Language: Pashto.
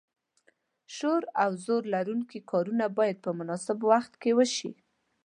شور او زور لرونکي کارونه باید په مناسب وخت کې وشي.